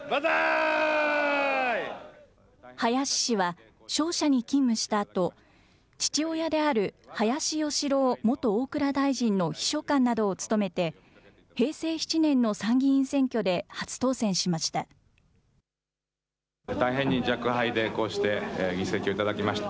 林氏は商社に勤務したあと、父親である林義郎元大蔵大臣の秘書官などを務めて、平成７年の参議院選挙で初当選しました。